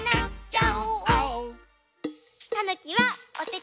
お！